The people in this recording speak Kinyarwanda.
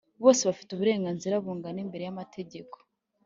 Bose bafite uburenganzira bungana imbere y’amategeko